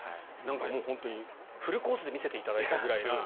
本当にフルコースで見せていただいたぐらいな。